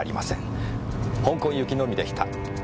香港行きのみでした。